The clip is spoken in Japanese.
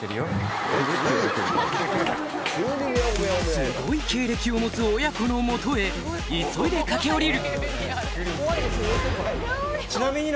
すごい経歴を持つ親子の元へ急いで駆け下りる